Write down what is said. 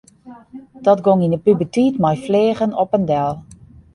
Dat gong yn de puberteit mei fleagen op en del.